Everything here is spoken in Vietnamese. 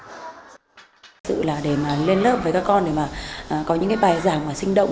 thực sự là để mà lên lớp với các con để mà có những cái bài giảng mà sinh động